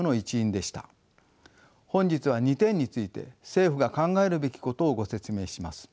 本日は２点について政府が考えるべきことをご説明します。